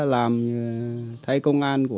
làm thay công an